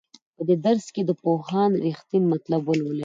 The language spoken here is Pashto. په دې درس کې د پوهاند رښتین مطلب ولولئ.